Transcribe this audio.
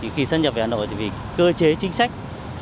khi sân nhập về hà nội vì cơ chế chính sách